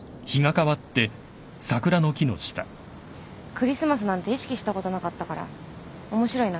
クリスマスなんて意識したことなかったから面白いな。